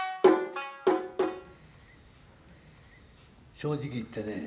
正直言ってね